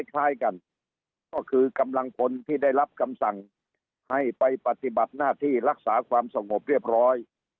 คล้ายกันก็คือกำลังพลที่ได้รับคำสั่งให้ไปปฏิบัติหน้าที่รักษาความสงบเรียบร้อย